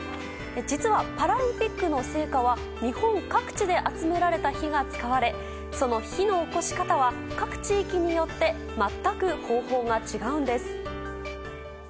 実はパラリンピックの聖火は日本各地で集められた火が使われその火のおこし方は各地域によって全く方法が違うんです。